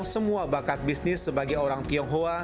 semua bakat bisnis sebagai orang tionghoa